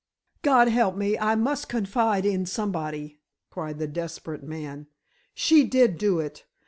"God help me, I must confide in somebody," cried the desperate man. "She did do it!